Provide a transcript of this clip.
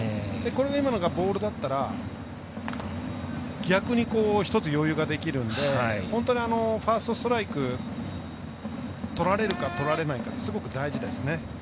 これが今のがボールだったら逆に１つ余裕ができるんで本当にファーストストライクとられるかとられないかってすごく大事です。